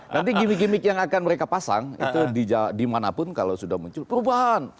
nanti gimmick gimmick yang akan mereka pasang itu dimanapun kalau sudah muncul perubahan